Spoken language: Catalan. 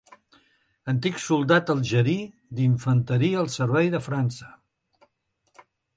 Antic soldat algerí d'infanteria al servei de França.